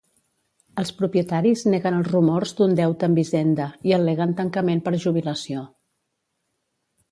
Els propietaris neguen els rumors d'un deute amb Hisenda i al·leguen tancament per jubilació.